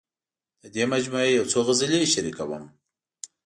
د دې مجموعې یو څو غزلې شریکوم.